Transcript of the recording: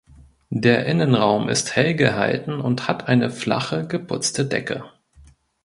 Der Innenraum ist hell gehalten und hat eine flache geputzte Decke.